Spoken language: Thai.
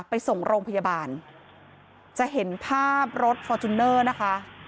ไปส่งโรงพยาบาลจะเห็นภาพรถฟอร์จูเนอร์นะคะ